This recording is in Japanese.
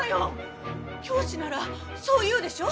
教師ならそう言うでしょ？